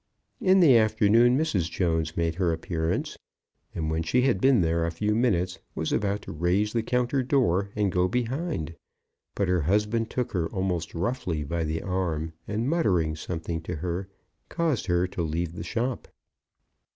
In the afternoon Mrs. Jones made her appearance, and when she had been there a few minutes, was about to raise the counter door and go behind; but her husband took her almost roughly by the arm, and muttering something to her, caused her to leave the shop.